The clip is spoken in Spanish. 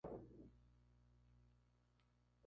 Tuvieron cuatro hijos: Catherine, Elizabeth, Robin y Angus.